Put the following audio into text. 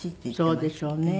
そうでしょうね。